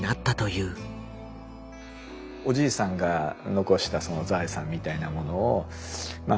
おじいさんが残したその財産みたいなものをまあ